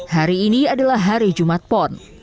hari ini adalah hari jumat pon